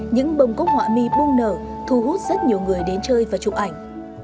những bông cúc họa mi bung nở thu hút rất nhiều người đến chơi và chụp ảnh